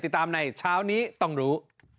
ติดตามในเช้านี้ต้องรู้